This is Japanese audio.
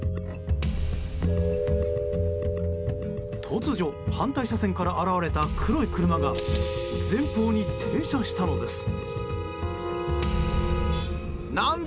突如、反対車線から現れた黒い車が前方に停車したのです。